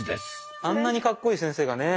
あんなにカッコいい先生がねぇ